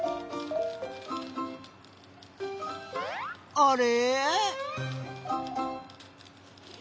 あれ？